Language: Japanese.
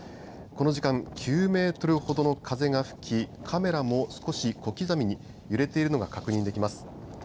この時間９メートルほどの風が吹きカメラも少し小刻みに揺れているのが確認できます。